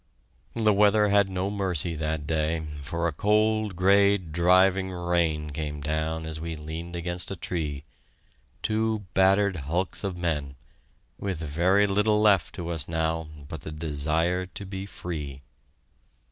The weather had no mercy that day, for a cold, gray, driving rain came down as we leaned against a tree, two battered hulks of men, with very little left to us now but the desire to be free.